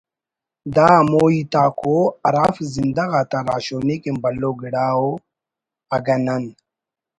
دا ہمو ہیت آک ءُ ہرافک زندہ غاتا راہشونی کن بھلو گڑا ءُ اگہ نن